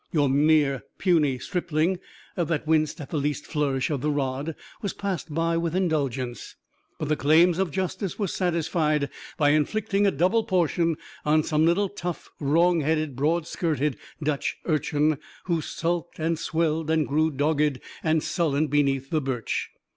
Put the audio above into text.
Your mere puny stripling, that winced at the least flourish of the rod, was passed by with indulgence; but the claims of justice were satisfied by inflicting a double portion on some little, tough, wrong headed, broad skirted Dutch urchin, who sulked and swelled and grew dogged and sullen beneath the birch.